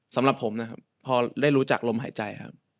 สำหรับผมนะครับพอได้รู้จักลมหายใจครับ